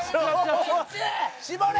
絞れ！